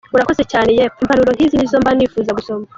Urakoze cyane yeppp impanuro nk’izi nizo mba nifuza gusoma.